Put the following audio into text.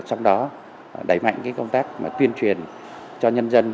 trong đó đẩy mạnh công tác tuyên truyền cho nhân dân